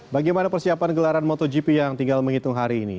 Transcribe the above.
bagaimana persiapan gelaran motogp yang tinggal menghitung hari ini